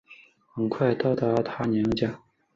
很快到达她娘家